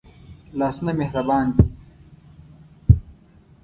لاسونه مهربان دي